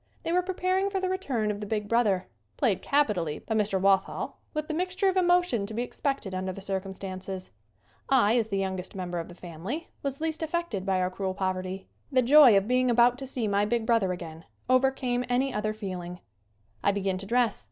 They were preparing for the return of the big brother played capitally by Mr. Walthall with the mixture of emotion to be expected under the circumstances. I, as the youngest SCREEN ACTING 69 member of the family, was least affected by our cruel poverty. The joy of being about to see my big brother again overcame any other feeling. I begin to dress.